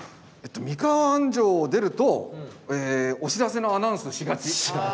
「三河安城を出るとお知らせのアナウンスしがち」。